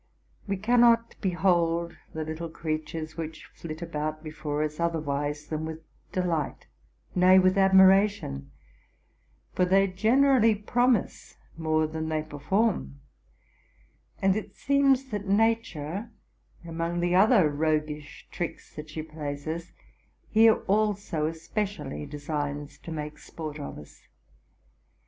We cannot behold the little creatures which flit about before us otherwise than with delight, nay, with admi ration ; for they generally promise more than they perform: and it seems that Nature, among the other roguish tricks that she plays us, here also especially designs to make sport of us.